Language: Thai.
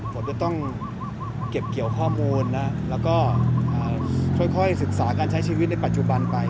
ผมจะต้องเก็บเกี่ยวข้อมูลนะแล้วก็ค่อยศึกษาการใช้ชีวิตในปัจจุบันไป